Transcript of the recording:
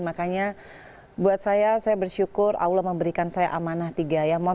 makanya buat saya saya bersyukur allah memberikan saya amanah tiga ya